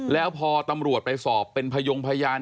แล้วพอตำรวจไปสอบเป็นพยงพยาน